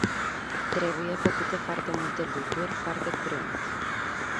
Trebuie făcute foarte multe lucruri, foarte curând.